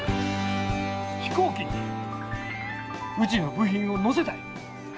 飛行機にうちの部品を乗せたい。